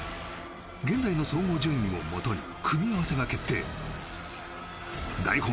現在の総合順位をもとに組み合わせが決定大